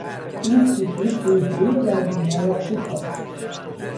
او کوشید روحیهی زن بیمار را خوب کند.